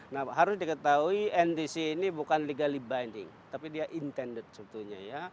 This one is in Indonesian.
nah harus diketahui ntc ini bukan legally binding tapi dia intended sebetulnya ya